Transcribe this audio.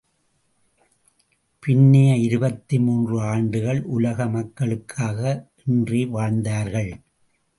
பின்னைய இருபத்து மூன்று ஆண்டுகள், உலக மக்களுக்காக என்றே வாழ்ந்தார்கள்.